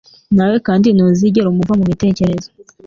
nawe kandi ntuzigera umuva mu bitekerezo.